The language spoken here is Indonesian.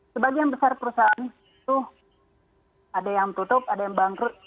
sebagian besar perusahaan itu ada yang tutup ada yang bangkrut